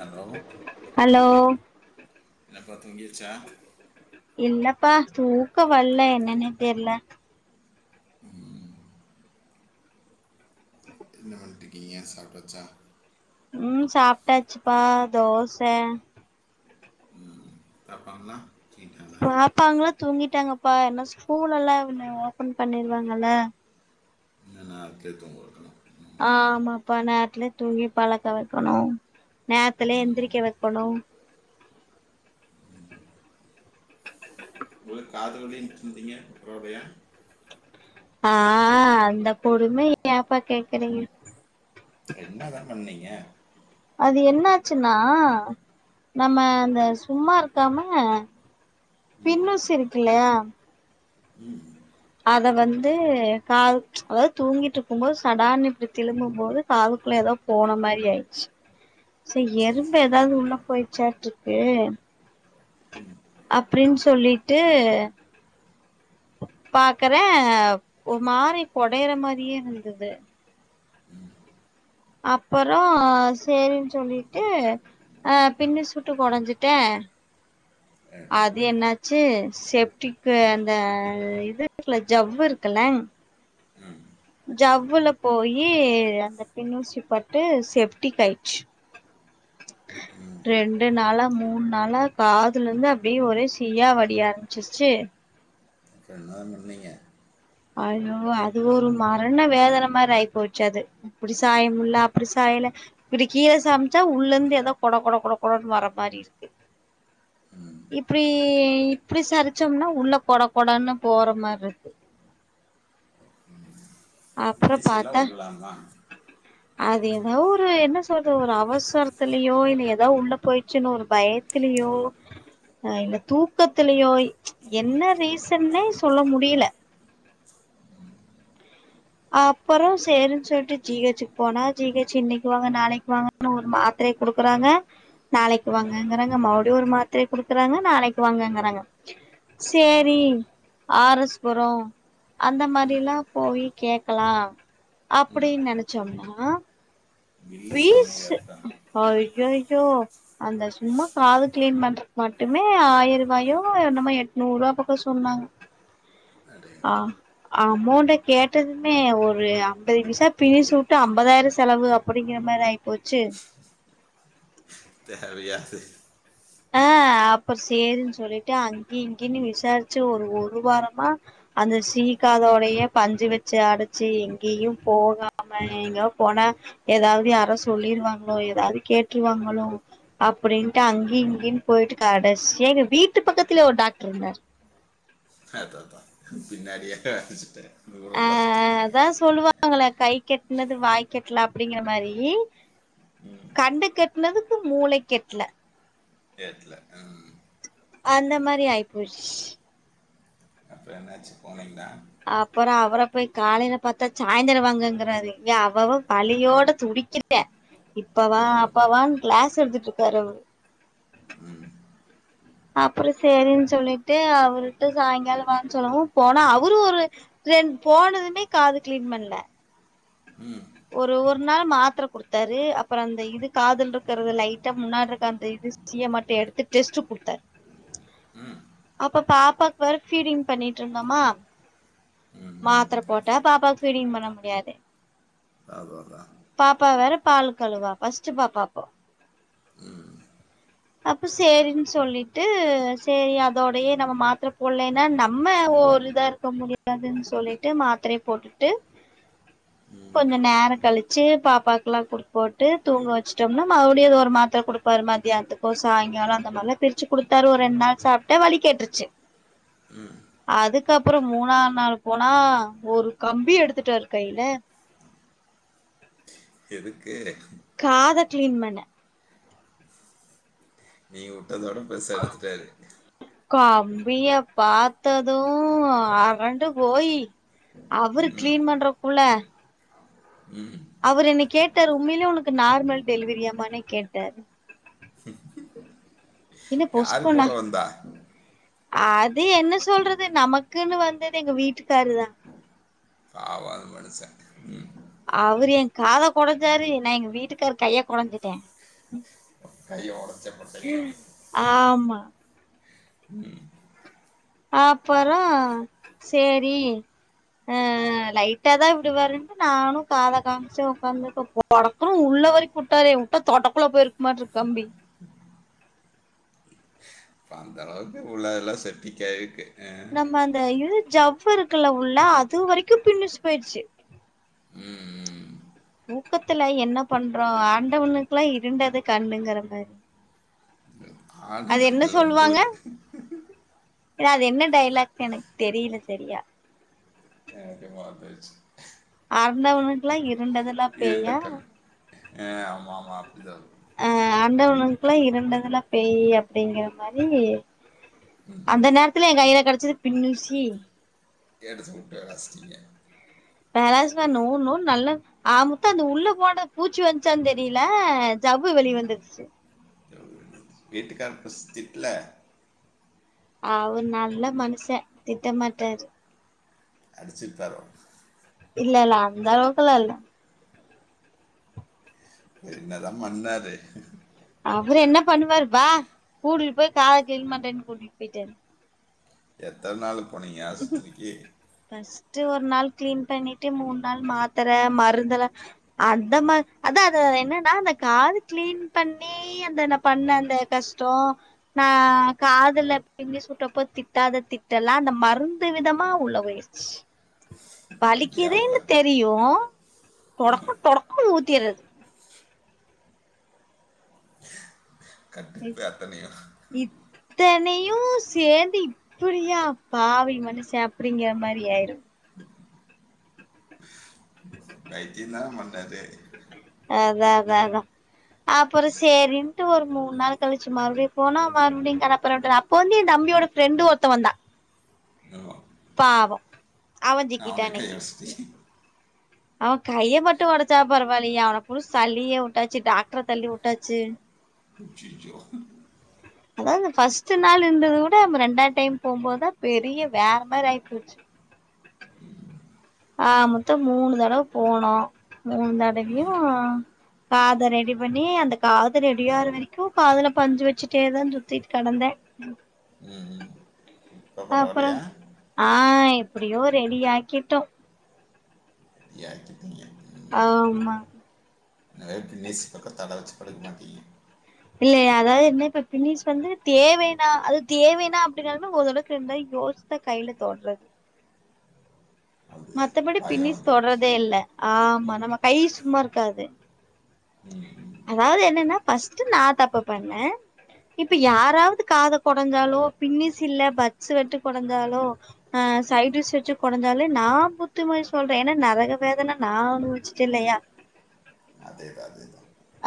Hello hello என்னப்பா தூங்கியாச்சா இல்லப்பா தூக்கோ வரல என்னன்னே தெர்ல என்ன பண்ணிட்டு இருக்கீங்க சாப்ட்டாச்சா ம் சாப்ட்டாச்சுப்பா தோச சாப்டாங்ளா சிக்கன் பாப்பாங்களா தூங்கிட்டாங்கப்பா ஏன்னா ஸ்கூலல்லா இன்னு ஓபன் பண்ணிருவாங்கல்ல நாள்க்கே தூங்க வக்கணு ஆ ஆமாப்பா நேத்துலே தூங்கி பழக்க வைக்கணு நேத்துலே ம். எந்திரிக்க வைக் பணம் உங்களுக்கு காதலுனே எந்ச்சு வன்ட்டீங்க [unintelligible] ஆ அந்தக் கொடுமைய ஏப்பா கேக்குறீங்க அப்றோ என்ன தா பண்ணீங்க அது என்னாச்சுன்னா நம்ம அந்த சும்மாருக்காம பின்னூஸ் இருக்குல்லையா ம் அத வந்து காது அதாது தூங்கிட்டு இருக்கும்போது சடார்ன்னு இப்டி திரும்பு போது காதுக்குள்ள எதோ போன மாதிரி ஆயிச்சு சே சரி எறும்பு சரி எதாது உள்ள போயிருச்சாட் இருக்கு அப்டின் சொல்லிட்டு பாக்குறே ஒரு மாரி கொடையுற மாதிரியே இருந்தது அப்புறோ சேரின்னு சொல்லிட்டு ஆ பின்னு சுட்டு கொடஞ்சுட்டே ஆ அது என்னாச்சு செப்டிக்கு அந்த இது இருக்குல ஜவ்வு இருக்குல்ல ஜவ்வுல போயி அந்த பின்னூசி பட்டு செப்டிக்கு ஆயிருச்சு ரெண்டு நாளா மூணு நாளா காதுல இருந்து அப்டியே ஒரே சியா வடி ஆரம்பிச்சிருச்சு என்னதா பண்ணீங்க அய்யோ அது ஒரு மரண வேதன மாரி ஆயி போச்சு அது இப்டி சாய முடில்ல அப்டி சாயல இப்டி கீர சமைமிச்சா உள்ள இருந்து எதோ கொட கொட கொட கொடன்னு வர மாரி இருக்கு இப்டி இப்டி சரிச்சோம்னா உள்ள கொட கொடனு போற மாரி இருக்கு ம் அப்றோ இன்னிசியல பாத்தா உடலாமா அது எதா ஒரு என்ன சொல்றது ஒரு அவசரத்துலயோ இன்னு எதாது உள்ள போயிச்சுன்னு ஒரு பயத் திலயோ ஆ இல்ல தூக்கத்திலயோ என்ன ரீசன்னே சொல்ல முடியல அப்புறோ சேரின்னு சொல்லிட்டு ஜீ ஹெட்ச் க்கு போனா ஜீ ஹெட்ச் இன்னைக்கி வாங்க நாளைக்கி வாங்க நூறு மாத்திரைய குடுக்குறாங்க நாளைக்கு வாங்கங்கிறாங்க மறுபடியு ஒரு மாத்திரைய குடுக்குறாங்க நாளைக்கு வாங்கங்கிறாங்க சேரி ஆர் எஸ் புரோம் அந்த மாதிரி எல்லா போயி கேக்கலா அப்டின்னு நெனைச்சோம்னா பில்லு சமையல் பீஸ்ஸு கேட்பேன் ஐயய்யோ அந்த சும்மா காது கிளீன் பண்றதுகு மட்டுமே ஆயிரம் ருபாயோ என்னமோ எட்நூறு ருபா பாக்கோ சொன்னாங்க ஆ அடையப்பா அமௌண்ட கேட்டதுமே ஒரு அம்பது விசா பினி சூட்டு அம்பதாயிரோ செலவு அப்டிங்கிற மாரி ஆயி போச்சு தேவயா இது ஆ அப்புறோ சேரின்னு சொல்லிட்டு அங்கியு இங்கியுனு விசாரிச்சு ஒரு ஒரு வாரமா அந்த சீக்காதோடயே பஞ்சு வச்சு அடச்சு எங்கயும் போகாம எங்க போனா எதாது யாரோ சொல்லிருவாங்களோ எதாது கேட்டுருவாங்களோ அப்டின்ட்டு அங் கினு போயிட்டு கடைசியா எங்க வீட்டு பக்கத்துலயே ஒரு டாக்டர் இருந்தாரு அதாதா பின்னடியாக்க அடிச்சிட்டே ஆ ஆ அதா சொல்லுவாங்களே கைக்கெட்னது வாய்க்கெட்ல அப்டிங்கற மாரி கண்ணுக்கெட்னதுக்கு மூளைக்கு எட்டல ஏன் எட்ல ஆ அந்த மாரி ஆயிப்போச்சு அப்றோ என்னாச்சு போனீங்களா அப்பறோ அவர போய் காலையில பாத்தா சாய்ந்ரோ வாங்கங்கறாரு இங்க அவ அவ வலியோட துடி ச்சிட்டே இப்ப வா அப்பவானு கிளாஸ் எடுத்துட்டு இருக்காரு அவுரு அப்பறோ சேரின் சொல்லிட்டு அவருட்ட சாய்ங்காலோ வான் சொல்லவும் போனா அவரு ஒரு என் போனதுமே காது கிளீன் பண்ல ஒரு ஒரு நாள் மாத்ர குடுத்தாரு அப்பறோ அந்த இது காதுல் இருக்கறது லைட்டா முன்னாடி இருக்க அந்த இது சீய்ய மட்டு எடுத்து டெஸ்ட்டுக் குடுத்த [inaudible] அப்ப பாப்பாக்கு வேற ஃபீடிங் பண்ணிட்ருந்தோமா ம் ம் மாத்ர போட்டா பாப்பாக் ஃபீடிங் பண்ண முடியாது அதாதா பாப்பா வேற பாலுக்கழுவா ஃபர்ஸ்ட்டு பாப்பா அப்போ ம் அப்போ சேரின் சொல்லிட்டு சேரி அதோடையே நம்ம மாத்ர போல்லைன்னா நம்ம ஒரு இதா இருக்க முடியாதுன் சொல்லிட்டு மாத்ரய போட்டுட்டு கொஞ்சோ நேர கழிச்சு பாப்பாக்குல்லா குடுத் போட்டு தூங்க வச்சுட்டோம்னா மறுபடியோ ஒரு மாத்ர குடு ப்பாரு மத்தியானத்துக்கோ சாய்ங்காலோ அந்த மாரிலா பிரிச்சு குடுத்தாரு ஒரு ரெண் நாள் சாப்ட்ட வலி கேட்ருச்சு [inaudible] ம் அதுக்கப்றோ மூணா நாள் போனா ஒரு கம்பி எடுத்துட்டாரு கைல எதுக்கு காத கிளீன் பண்ண நீ உட்டதோட பெர்சா எடுத்துட்டாரு கம்பிய பாத்ததோ அரண்டு போயி அவுரு கிளீன் பண்றக்குள்ள ம் அவுரு என்ன கேட்டாரு உண்மையிலே உனக்கு நார்மல் டெலிவரியாமான்னே கேட்டாரு இன்ன யார் பொஸ்க்குன்ன கூட வந்தா அது என்ன சொல்றது நமக்குன்னு வந்தது எங்க வீட்டுக்காரு தா அந் மனுஷ ம் அவுரு என் காத கொடஞ்சாரு நா எங்க வீட்டுக்காரு கைய கொடஞ்சிட்ட கைய ஒடச்சா போட்டீங்க ஆமா ம் அப்பறோ சேரி அ அ லைட்டா தா விடுவாருன்ட்டு நானு காத காம்ச்ச ஒக்காந்துட்டுருக்க படக்குன்னு உள்ளவரைக் உட்டாரே உட்டா தொண்டக்குள்ள போயிருக் மாட்ருக்கம்பி அப்ப அந்தளவுக்கு உள்ள எல்லா செப்ட்டிக்காயிருக்கு நம்ம அந்த இது ஜவ்வு இருக்குல உள்ள அது வரைக்கோ பின்னுஸ் போயிருச்சி யூக்கத்துல என்ன பண்றோ அரண்டவனுக்குல்லா இருண்டது கண்ணுங்குற மாரி அது ஆண்டவனுக் என்ன இல்ல சொல்லுவாங்க உங்களுக்கு இல்ல அது என்ன டயலாக் எனக் தெரில சரியா எல்லாத்தையு மாத்தியாச்சு அரண்டவணக்குலா இருண்டதெ இருண்டக்கன் ஆ ஆமா ஆமா அப்டிதா ஆ அரண்டவனுக்குலா இருண்டதெலா பேய்யி அப்டிங்கற மாரி ம் அந்த நேரத்துல எ கையில கடச்சது பின்னூசி எடுத்து வுட்டு விளாசிட்டிங்க வெளாசுனா நூ நூ நல்ல ஆக மொத்த அந்த உள்ள போன பூச்சி வந்துச்சான் தெரில ஜவ்வு வெளிய வந்துருச்சு [unintelligible] வீட்டுக்காரு ஃபஸ்ட் திட்டல அவர் நல்ல மனுச திட்டமாட்டாரு அடிச்சி விட்டாரோ இல்ல இல்ல அந்த அளவுக்குல்லா இல்ல வேர்என்ன தா பண்ணாரு அவர் என்ன பண்ணுவாரு வா கூட்டிட்டு போய் கால க்ளீன் பண்றேனு கூட்டிட்டு போயிட்டாரு எத்தன நாள் போனீங்க ஆஸ்பித்திரிக்கு ஃபர்ஸ்ட் ஒரு நாள் க்ளீன் பண்ணிட்டு மூன் நாள் மாத்தர மருந்தலா அந்த மா அதா அது என்னன்னா அது காத க்ளீன் பண்ணி அந்த ந பண்ண அந்த கஷ்டோ நா காதுல பிங்கி சுட்டப்போ திட்டாத திட்டலா அந்த மருந்து விதமா உள்ள போயிருச்சு ஏன் வலிக்குதுன்னு அவ்வளோ தெரியு டொடக்கு டொடக்கு ஊத்திர்றது பே தணியு இத்தனையு சேந்தி ப் இப்புடியா பாவி மனுஷ அப்டிங்கற மாரி ஆயிடு [inaudible] வைத்திய தானே பண்ணாரு அதா தா தா அதா அப்றோ சேரின்னுட்டு ஒரு மூன் நாள் கழிச்சு மறுபடியு போனா மறுபடியு களப்புறட்டுடா பொன்னியு தம்பியோட ஃப்ரெண்டு் ஒருத்த வந்தா கனவா பாவோ அவ ஜிக்கிட்டா இன்னைக்கு [unintelligible] அவ கைய மட்டு ஒடச்சா பரவாயில்லியே அவ முழுசா தள்ளியே விட்டாச்சு டாக்டர தள்ளி வுட்டாச்சு அச்சச்சோ அதாவது ஃபர்ஸ்ட் நாள் இருந்தது விட நம்ம ரெண்டா டைம் போம்போதுதா பெரிய வேற மாரி ஆயிபோச்சு ஆ மொத்த மூனு தடவ போனோ மூணு தடவையு காது ரெடி பண்ணி அந்த காத ரெடியாற வரைக்கு காதுல பஞ்சு வச்சுட்டே தா சுத்திட்டு கடந்தே ம் ம் இப்ப பரவால்லயா ஆ எப்டியோ ரெடி ஆக்கிட்டோ ஏ திட்னிங்க ஏ ஆமா நேத்து ஏசி பக்க தல வச்சு படுக்க மாட்டிங்க இல்லயா அதாவது என்ன இப்ப பினிஸ் வந்து தேவைனா அது தேவைனா அப்டினாலு ஒரு தடவைக்கு ரெண்டு தடவ யோசி இப்ப கையில தொடறது அது மத்தபடி பயம் பினிஸ் வந்துச்சு தொடர்றதே இல்ல ஆமா நம்ம கை சும்மா இருக்காது ம் அதாவது என்னன்னா ஃபர்ஸ்ட்டு நா தப்பு பண்ண இப்ப யாராவது காத கொடஞ்சாலோ பின்னீஸ் இல்ல பட்ஸ்ஸ வட்டு கொடஞ்சாலோ ஆ சைடூசி வச்சி கொடஞ்சாலே நா புத்திமதி சொல்ற ஏனா நரக வேதன நா அனுவிச்சிட்ட இல்லையா அதே தா அதே தா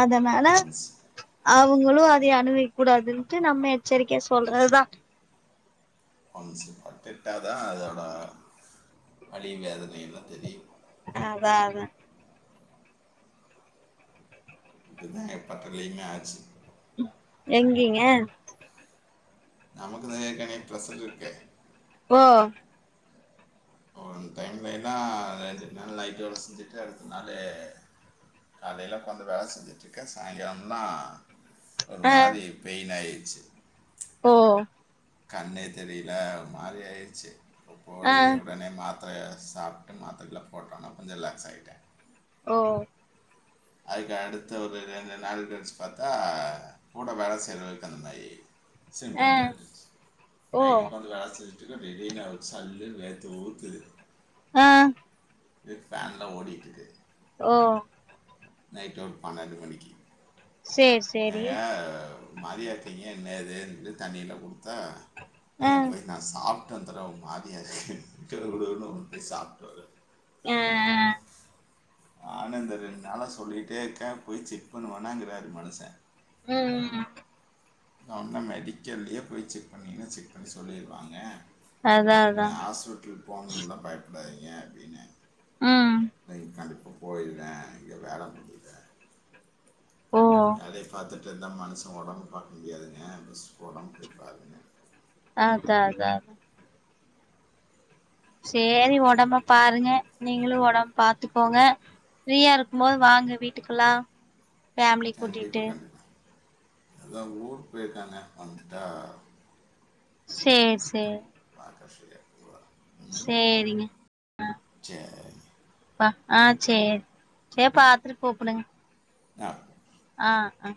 அதனால அவுகங்ளும் அதயே அனுவிக்க கூடாதுன்ட்டு நம்ம எச்சரிக்கையா சொல்றதுதா ஒன்ஸ் பட்டுட்டாதா அதோட வலியு வேதனையில்லா தெரியும் அதா அதா இது தா என் பக்கத்திலியுமே ஆச்சி எங்கீங்க நமக்கு தா எற்கனவே பிரசர் இருக்கே ஓ அந்த டைம்லல்லா ரெண்டு நாள் நைட்டு வேல செஞ்சிட்டு அடுத்த நாளே காலையில உக்காந்து வேல செஞ்சிட்டுருக்க சாயங்காலோந்தா ஒரு ஆ மாரி பெயின் ஆயிச்சி ஓ கண்ணே தெரில ஒரு மாரி ஆயிருச்சி இப்போ ஆ போயி உடனே மாத் திரய சாப்ட்டு மாத்திர எல்லா போட்டவொன்னே கொஞ்ச ரிலாக்ஸ் ஆயிட்ட ஓ அதுக்கு அடுத்து ஒரு ரெண்டு நாள் கழிச்சி பாத்தா கூட வேல செய்றவருக்கு அந்த மாரி ஆ சிம்டம் தெரிஞ்சிச்சி ஓ நைட்டு உக்காந்து வேல செஞ் சிதா திடீர்னு அவருக்கு சல்லுன்னு வேர்த்து ஊத்துது ஆ இது ஃபேன்லா ஓடிட்டிருக்கு ஓ நைட்டு ஒரு பன்னண்டு மணிக்கி சேரி சேரி மாரியா இருக்கீங்க என்ன ஏதுன்ட்டு தண்ணியெல்லா குடுத்தா ஆ இன்னங்க போய் நா சாப்ட்டு வந்துற ஒரு மாதிரியா இருக்குன்ட்டு குடு குடுனு ஓடி போயி சாப்ட்டு வராரு ஆ ஆ நானு இந்த ரண்டு நாளா சொல்லிட்டே இருக்க போயி செக் பண்ணுவனாங்கிறாரு மனுச ம் ம் ஒன்னு மெடிக்கல்லயே போயி செக் பண்ணீன்னா செக் பண்ணி சொல்லிருவாங்க அதா அதா நீங்க ஹாஸ்பிட்டலு போனுன்னுல்லா பயப்படாதீங்க அப்டின்ன ம் இல்லைங் கண்டிப்பா போயிற இங்க வேல முடில ஓ வேலய பாத்துட்டு இருந்தா மனுச ஒடம்பு பாக்க முடியாதுங்க ஃபஸ்ட்டு ஒடம்பு போயி பாருங்க ஆ அதா அதா சேரி ஒடம்ப பாருங்க நீங்களும் ஒடம் பாத்துக்கோங்க ஃப்ரீயா இருக்கமோது வாங்க வீட்டுக்கில்லா கண்டிப்பா கண்டிப்பா எல்லாரும் ஊர் போயிருக்காங்க வந்துட்டா வர சேரி சேரி ஆக்காஷ் கிட்ட கூட்டுவற சேரிங்க அ சரி ப ஆ சேரி சேரி பாத்துட்டு கூப்டுங்க ஆ ஆ அ